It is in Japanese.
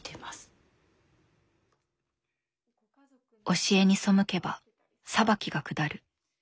「教えに背けば裁きが下る」。